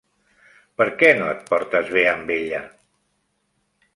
Per què no et portes bé amb ella?